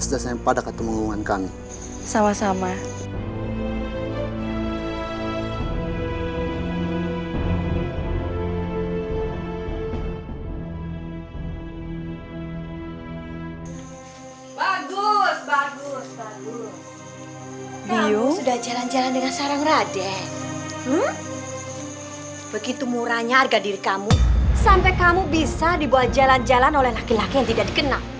sampai kamu bisa dibawa jalan jalan oleh laki laki yang tidak dikenal